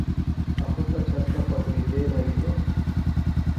A fost aceasta poate o idee naivă?